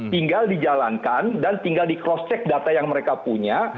tinggal dijalankan dan tinggal di cross check data yang mereka punya